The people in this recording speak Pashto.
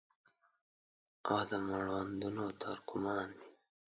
او د مړوندونو تر کمان مې